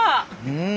うん。